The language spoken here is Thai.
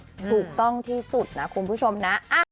ถูกต้องที่สุดนะคุณผู้ชมนะ